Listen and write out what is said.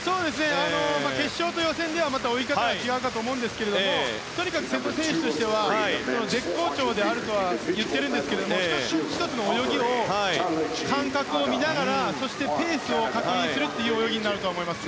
決勝と予選では泳ぎ方が違うとは思いますがとにかく瀬戸選手としては絶好調であるとは言っていますが１つの泳ぎを感覚を見ながらそして、ペースを確認する泳ぎになると思います。